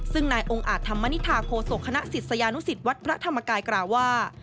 ซึ่งนายองค์อาจธรรมนิษฐาโคศกคณะศิษยานุสิตวัดพระธรรมกายกล่าวว่า